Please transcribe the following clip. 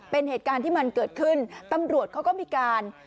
เป็นเหตุการณ์ที่มันเกิดขึ้นตำรวจเขาก็มีการ